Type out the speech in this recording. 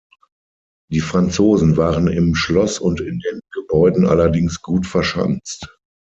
Die Franzosen waren im Schloss und in den Gebäuden allerdings gut verschanzt.